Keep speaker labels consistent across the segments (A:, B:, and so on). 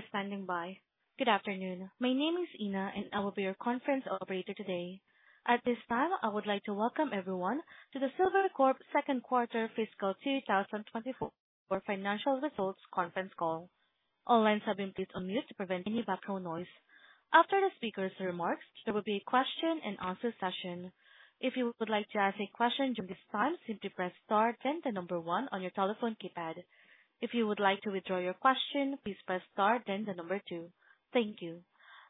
A: Thank you for standing by. Good afternoon. My name is Ina, and I will be your conference operator today. At this time, I would like to welcome everyone to the Silvercorp Q2 Fiscal 2024 Financial Results Conference Call. All lines have been placed on mute to prevent any background noise. After the speaker's remarks, there will be a question and answer session. If you would like to ask a question during this time, simply press star then the number one on your telephone keypad. If you would like to withdraw your question, please press star then the number two. Thank you.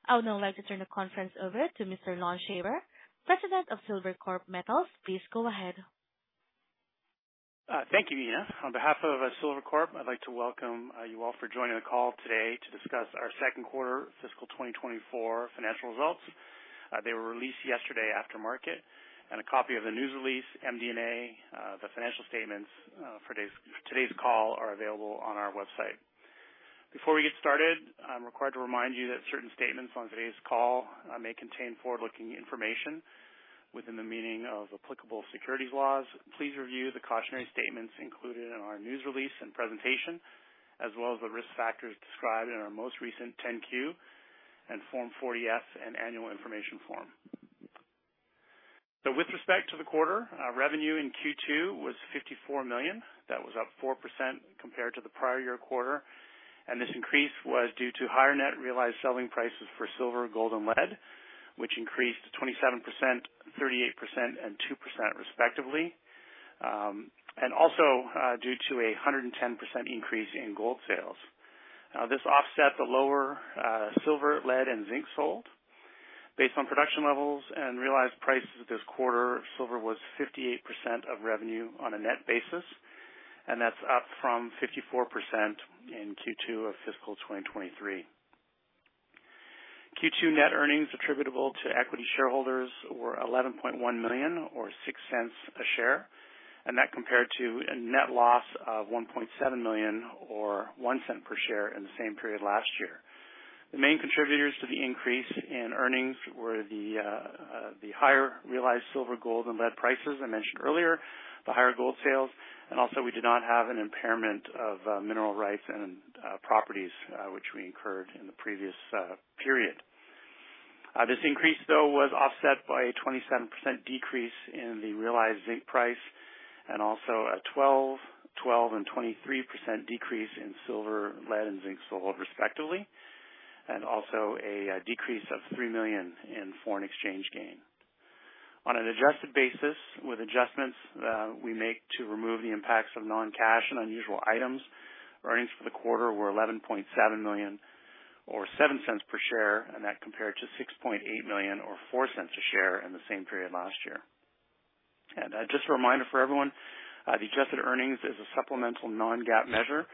A: I would now like to turn the conference over to Mr. Lon Shaver, President of Silvercorp Metals. Please go ahead.
B: Thank you, Ina. On behalf of Silvercorp, I'd like to welcome you all for joining the call today to discuss our Q2 Fiscal 2024 Financial Results. They were released yesterday after market, and a copy of the news release, MD&A, the financial statements for today's call are available on our website. Before we get started, I'm required to remind you that certain statements on today's call may contain forward-looking information within the meaning of applicable securities laws. Please review the cautionary statements included in our news release and presentation, as well as the risk factors described in our most recent 10-Q and Form 40-F and annual information form. With respect to the quarter, our revenue in Q2 was $54 million. That was up 4% compared to the prior year quarter, and this increase was due to higher net realized selling prices for silver, gold, and lead, which increased 27%, 38%, and 2% respectively, and also, due to a 110% increase in gold sales. This offset the lower silver, lead, and zinc sold. Based on production levels and realized prices this quarter, silver was 58% of revenue on a net basis, and that's up from 54% in Q2 of fiscal 2023. Q2 net earnings attributable to equity shareholders were $11.1 million or $0.06 a share, and that compared to a net loss of $1.7 million or $0.01 per share in the same period last year. The main contributors to the increase in earnings were the higher realized silver, gold, and lead prices I mentioned earlier, the higher gold sales, and also we did not have an impairment of mineral rights and properties, which we incurred in the previous period. This increase, though, was offset by a 27% decrease in the realized zinc price and also a 12%, 12%, and 23% decrease in silver, lead, and zinc sold, respectively, and also a decrease of $3 million in foreign exchange gain. On an adjusted basis, with adjustments we make to remove the impacts of non-cash and unusual items, earnings for the quarter were $11.7 million, or $0.07 per share, and that compared to $6.8 million or $0.04 per share in the same period last year. Just a reminder for everyone, the adjusted earnings is a supplemental non-GAAP measure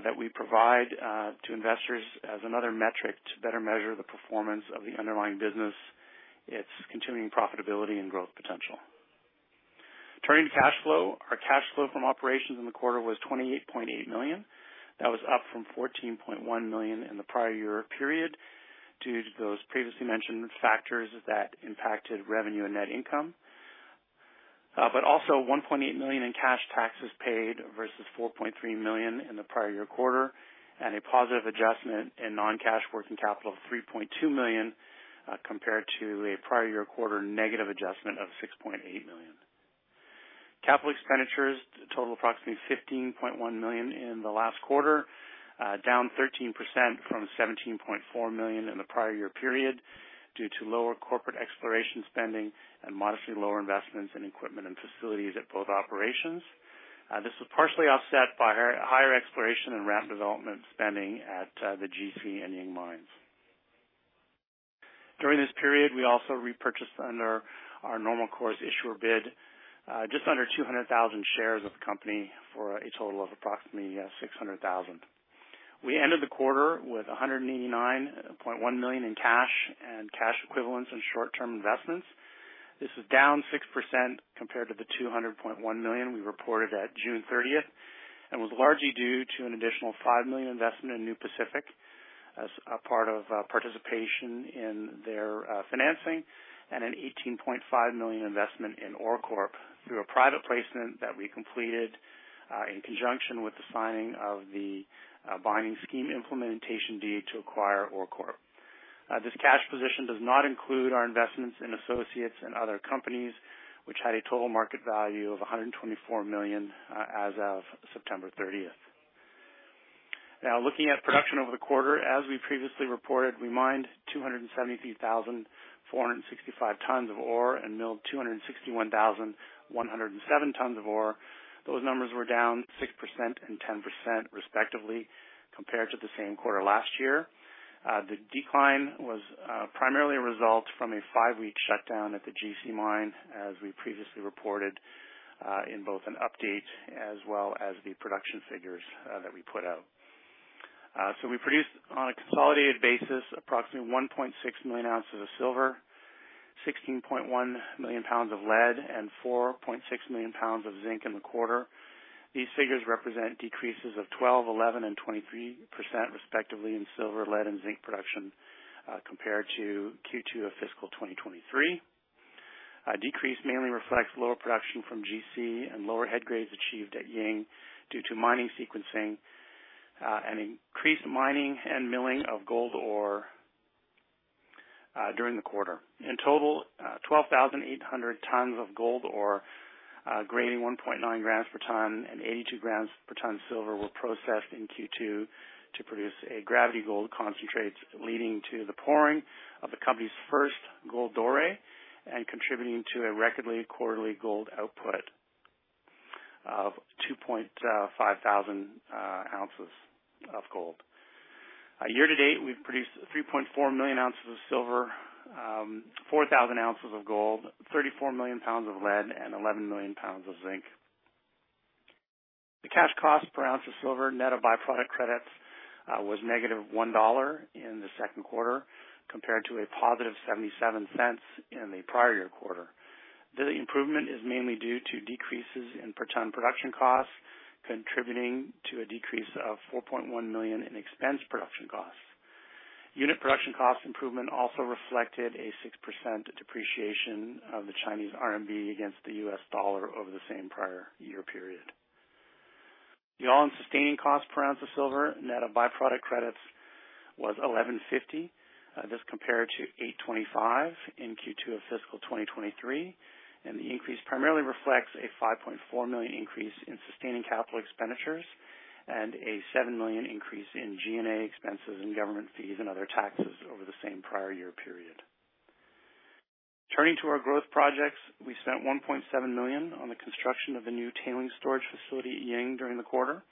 B: that we provide to investors as another metric to better measure the performance of the underlying business, its continuing profitability and growth potential. Turning to cash flow. Our cash flow from operations in the quarter was $28.8 million. That was up from $14.1 million in the prior year period due to those previously mentioned factors that impacted revenue and net income, but also $1.8 million in cash taxes paid versus $4.3 million in the prior year quarter, and a positive adjustment in non-cash working capital of $3.2 million, compared to a prior year quarter negative adjustment of $6.8 million. Capital expenditures total approximately $15.1 million in the last quarter, down 13% from $17.4 million in the prior year period due to lower corporate exploration spending and modestly lower investments in equipment and facilities at both operations. This was partially offset by higher exploration and ramp development spending at the GC and Ying mines. During this period, we also repurchased under our normal course issuer bid just under 200,000 shares of the company for a total of approximately $600,000. We ended the quarter with $189.1 million in cash and cash equivalents and short-term investments. This was down 6% compared to the $200.1 million we reported at June 30th, and was largely due to an additional $5 million investment in New Pacific as a part of participation in their financing and an $18.5 million investment in OreCorp through a private placement that we completed in conjunction with the signing of the binding Scheme Implementation Deed to acquire OreCorp. This cash position does not include our investments in associates and other companies, which had a total market value of $124 million as of September 30th. Now, looking at production over the quarter, as we previously reported, we mined 273,465 tons of ore and milled 261,107 tons of ore. Those numbers were down 6% and 10%, respectively, compared to the same quarter last year. The decline was primarily a result from a five-week shutdown at the GC mine, as we previously reported in both an update as well as the production figures that we put out. So we produced, on a consolidated basis, approximately 1.6 million oz of silver, 16.1 million lbs of lead, and 4.6 million lbs of zinc in the quarter. These figures represent decreases of 12, 11, and 23%, respectively, in silver, lead, and zinc production compared to Q2 of fiscal 2023. A decrease mainly reflects lower production from GC and lower head grades achieved at Ying due to mining sequencing and increased mining and milling of gold ore during the quarter. In total, 12,800 tons of gold ore, grading 1.9 g per ton and 82 g per ton silver were processed in Q2 to produce a gravity gold concentrate, leading to the pouring of the company's first gold ore and contributing to a record quarterly gold output of 2,500 oz of gold. Year to date, we've produced 3.4 million oz of silver, 4,000 oz of gold, 34 million lbs of lead, and 11 million lbs of zinc. The cash cost per oz of silver net of byproduct credits was -$1 in the Q2, compared to +$0.77 in the prior year quarter. The improvement is mainly due to decreases in per ton production costs, contributing to a decrease of $4.1 million in expensed production costs. Unit production cost improvement also reflected a 6% depreciation of the Chinese RMB against the US dollar over the same prior year period. The all-in sustaining cost per oz of silver net of byproduct credits was $11.50. This compared to $8.25 in Q2 of fiscal 2023, and the increase primarily reflects a $5.4 million increase in sustaining capital expenditures and a $7 million increase in G&A expenses and government fees and other taxes over the same prior year period. Turning to our growth projects, we spent $1.7 million on the construction of a new tailings storage facility at Ying during the quarter.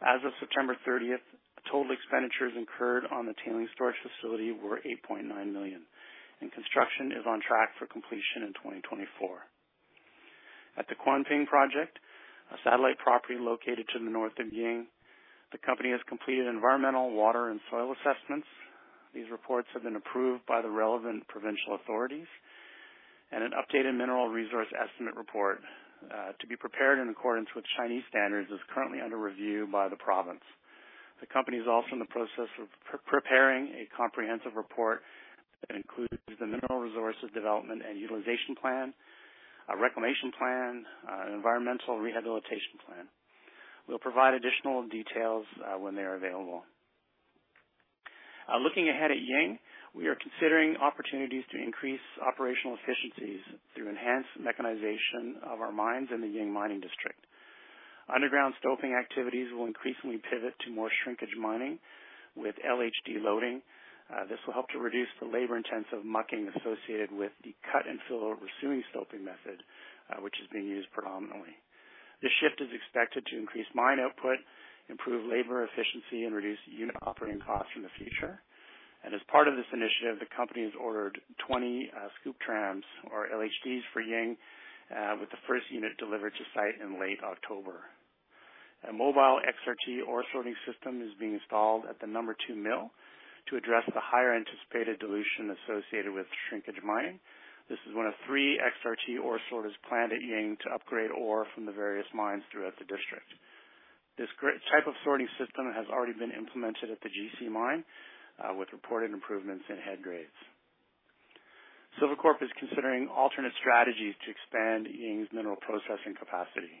B: As of September thirtieth, total expenditures incurred on the tailings storage facility were $8.9 million, and construction is on track for completion in 2024. At the Kuanping Project, a satellite property located to the north of Ying, the company has completed environmental, water, and soil assessments. These reports have been approved by the relevant provincial authorities, and an updated mineral resource estimate report to be prepared in accordance with Chinese standards is currently under review by the province. The company is also in the process of preparing a comprehensive report that includes the mineral resources development and utilization plan, a reclamation plan, an environmental rehabilitation plan. We'll provide additional details when they're available. Looking ahead at Ying, we are considering opportunities to increase operational efficiencies through enhanced mechanization of our mines in the Ying Mining District. Underground stoping activities will increasingly pivot to more shrinkage mining with LHD loading. This will help to reduce the labor-intensive mucking associated with the cut and fill stoping method, which is being used predominantly. This shift is expected to increase mine output, improve labor efficiency, and reduce unit operating costs in the future. And as part of this initiative, the company has ordered 20 scooptrams or LHDs for Ying, with the first unit delivered to site in late October. A mobile XRT ore sorting system is being installed at the number two mill to address the higher anticipated dilution associated with shrinkage mining. This is one of three XRT ore sorters planned at Ying to upgrade ore from the various mines throughout the district. This type of sorting system has already been implemented at the GC mine, with reported improvements in head grades. Silvercorp is considering alternate strategies to expand Ying's mineral processing capacity.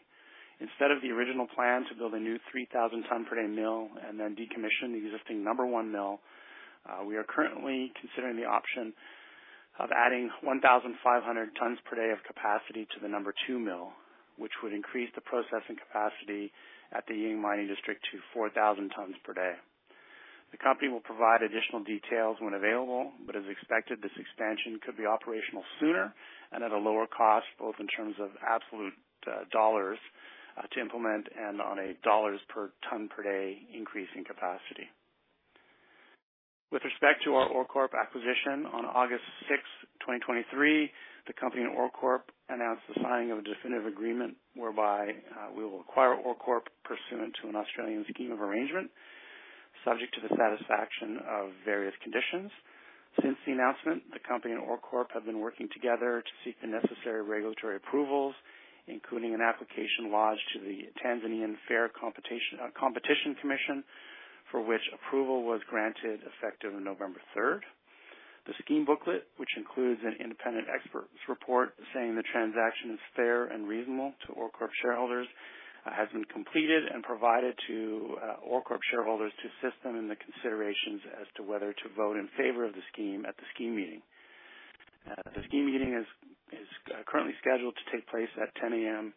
B: Instead of the original plan to build a new 3,000-ton-per-day mill and then decommission the existing number one mill, we are currently considering the option of adding 1,500 tons per day of capacity to the number two mill, which would increase the processing capacity at the Ying Mining District to 4,000 tons per day. The company will provide additional details when available, but as expected, this expansion could be operational sooner and at a lower cost, both in terms of absolute dollars to implement and on a dollars per ton per day increase in capacity. With respect to our OreCorp acquisition, on August 6, 2023, the company and OreCorp announced the signing of a definitive agreement whereby we will acquire OreCorp pursuant to an Australian scheme of arrangement, subject to the satisfaction of various conditions. Since the announcement, the company and OreCorp have been working together to seek the necessary regulatory approvals, including an application lodged to the Tanzanian Fair Competition Commission, for which approval was granted effective November 3. The scheme booklet, which includes an independent expert's report saying the transaction is fair and reasonable to OreCorp shareholders, has been completed and provided to OreCorp shareholders to assist them in the considerations as to whether to vote in favor of the scheme at the scheme meeting. The scheme meeting is currently scheduled to take place at 10:00 A.M.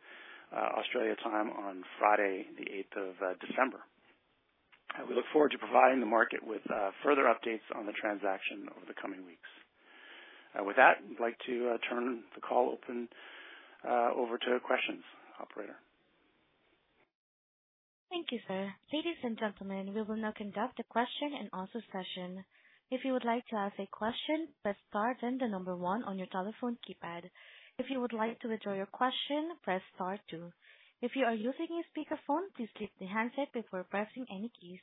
B: Australia time on Friday, the eighth of December. We look forward to providing the market with further updates on the transaction over the coming weeks. With that, we'd like to turn the call open over to questions, operator.
A: Thank you, sir. Ladies and gentlemen, we will now conduct a question-and-answer session. If you would like to ask a question, press star then 1 on your telephone keypad. If you would like to withdraw your question, press star 2. If you are using a speakerphone, please click the handset before pressing any keys.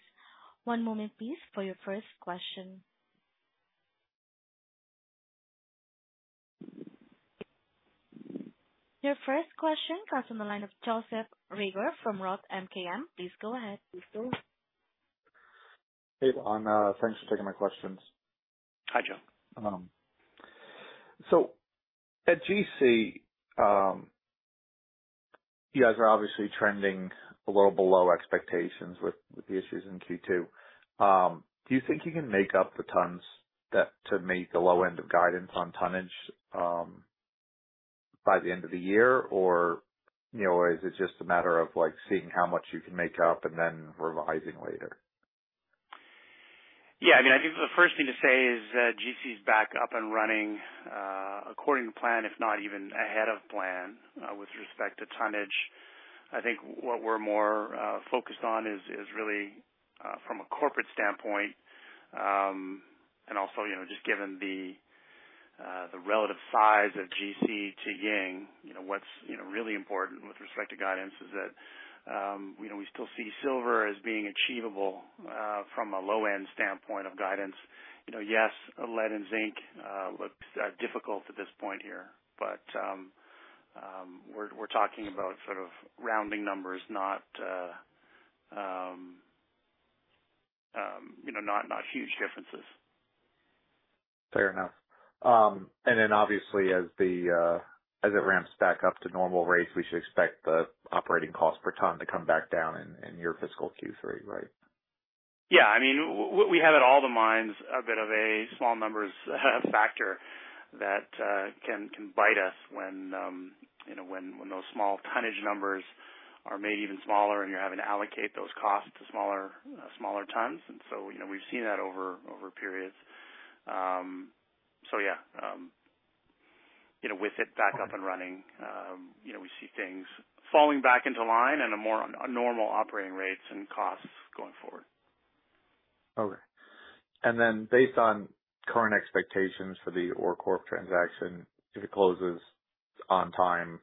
A: One moment, please, for your first question. Your first question comes from the line of Joseph Reagor from Roth MKM. Please go ahead....
C: Hey, Lon, thanks for taking my questions.
B: Hi, Joe.
C: At GC, you guys are obviously trending a little below expectations with the issues in Q2. Do you think you can make up the tons to meet the low end of guidance on tonnage by the end of the year? Or, you know, is it just a matter of, like, seeing how much you can make up and then revising later?
B: Yeah, I mean, I think the first thing to say is that GC's back up and running according to plan, if not even ahead of plan, with respect to tonnage. I think what we're more focused on is really from a corporate standpoint, and also, you know, just given the relative size of GC to Ying, you know, what's really important with respect to guidance is that, you know, we still see silver as being achievable from a low-end standpoint of guidance. You know, yes, lead and zinc look difficult at this point here, but we're talking about sort of rounding numbers, not you know, not huge differences.
C: Fair enough. And then obviously as it ramps back up to normal rates, we should expect the operating costs per ton to come back down in your fiscal Q3, right?
B: Yeah. I mean, we have at all the mines, a bit of a small numbers factor that can bite us when, you know, when those small tonnage numbers are made even smaller, and you're having to allocate those costs to smaller, smaller tons. And so, you know, we've seen that over periods. So yeah, you know, with it back up and running, we see things falling back into line and a more normal operating rates and costs going forward.
C: Okay. And then based on current expectations for the OreCorp transaction, if it closes on time,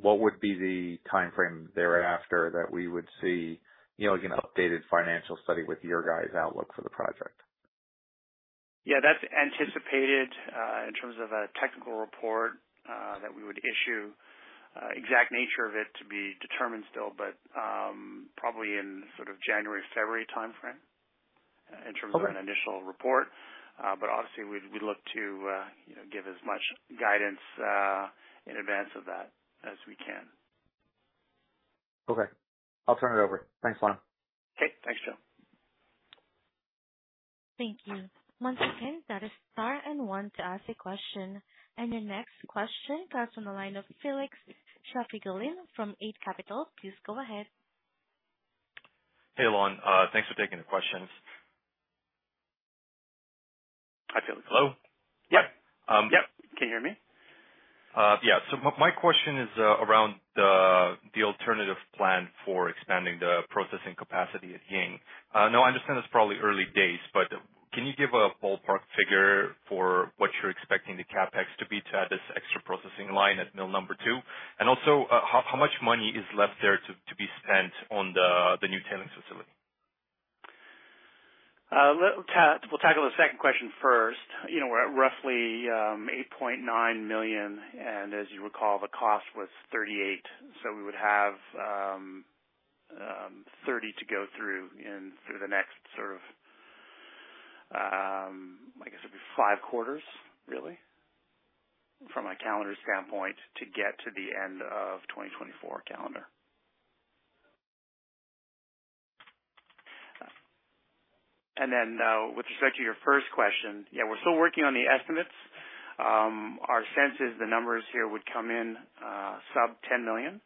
C: what would be the timeframe thereafter that we would see, you know, an updated financial study with your guys' outlook for the project?
B: Yeah, that's anticipated, in terms of a technical report, that we would issue. Exact nature of it to be determined still, but, probably in sort of January, February timeframe-
C: Okay.
B: In terms of an initial report. But obviously we'd look to, you know, give as much guidance in advance of that as we can.
C: Okay. I'll turn it over. Thanks, Lon.
B: Okay. Thanks, Joe.
A: Thank you. Once again, that is star and one to ask a question. And your next question comes from the line of Felix Shafigullin from Eight Capital. Please go ahead.
D: Hey, Lon. Thanks for taking the questions.
B: Hi, Felix.
D: Hello?
B: Yep.
D: Um-
B: Yep. Can you hear me?
D: Yeah. So my question is around the alternative plan for expanding the processing capacity at Ying. Now I understand it's probably early days, but can you give a ballpark figure for what you're expecting the CapEx to be to add this extra processing line at mill number two? And also, how much money is left there to be spent on the new tailings facility?
B: Let's tackle the second question first. You know, we're at roughly $8.9 million, and as you recall, the cost was $38, so we would have 30 to go through in through the next sort of, I guess it'd be 5 quarters, really, from a calendar standpoint, to get to the end of 2024 calendar. And then, with respect to your first question, yeah, we're still working on the estimates. Our sense is the numbers here would come in sub $10 million.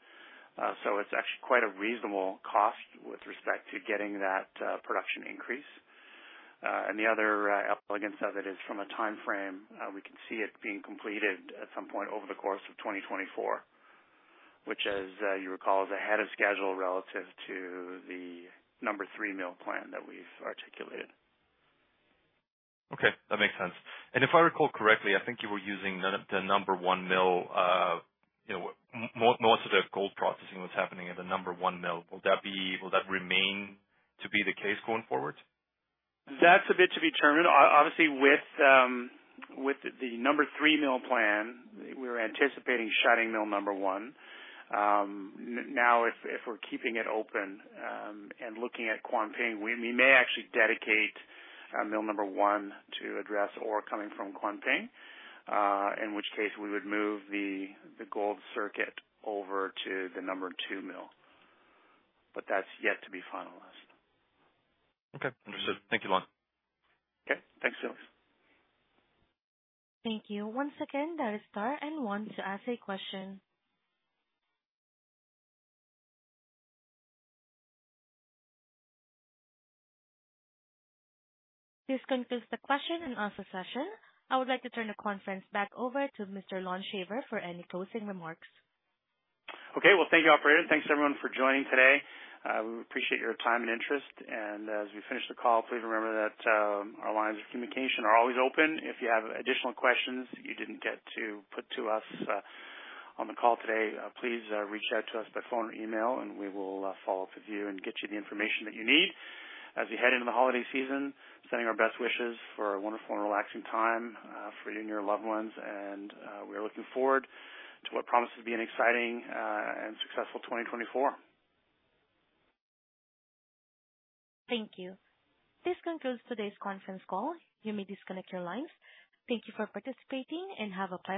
B: So it's actually quite a reasonable cost with respect to getting that production increase. The other elegance of it is from a timeframe we can see it being completed at some point over the course of 2024, which, as you recall, is ahead of schedule relative to the number 3 mill plan that we've articulated.
D: Okay, that makes sense. If I recall correctly, I think you were using the number one mill, you know, most of the gold processing was happening at the number one mill. Will that be... Will that remain to be the case going forward?
B: That's a bit to be determined. Obviously, with the number three mill plan, we're anticipating shutting mill number one. Now, if we're keeping it open and looking at Kuanping, we may actually dedicate mill number one to address ore coming from Kuanping, in which case we would move the gold circuit over to the number two mill. But that's yet to be finalized.
D: Okay. Understood. Thank you, Lon.
B: Okay. Thanks, Felix.
A: Thank you. Once again, that is star and one to ask a question. This concludes the question and answer session. I would like to turn the conference back over to Mr. Lon Shaver for any closing remarks.
B: Okay. Well, thank you, operator. Thanks, everyone, for joining today. We appreciate your time and interest, and as we finish the call, please remember that our lines of communication are always open. If you have additional questions you didn't get to put to us on the call today, please reach out to us by phone or email, and we will follow up with you and get you the information that you need. As we head into the holiday season, sending our best wishes for a wonderful and relaxing time for you and your loved ones. We are looking forward to what promises to be an exciting and successful 2024.
A: Thank you. This concludes today's Conference Call. You may disconnect your lines. Thank you for participating and have a pleasant day.